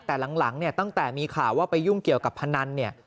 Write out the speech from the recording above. แต่หลังตั้งแต่มีข่าวว่าไปยุ่งเกี่ยวกับพนัน